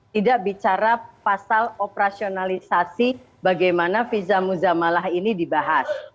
tidak bicara pasal operasionalisasi bagaimana viza muzamalah ini dibahas